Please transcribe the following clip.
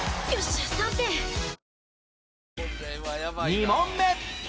２問目